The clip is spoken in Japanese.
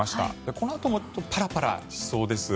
このあともパラパラしそうです。